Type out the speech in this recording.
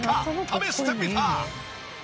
試してみた！